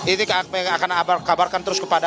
ini akan kabarkan terus kepada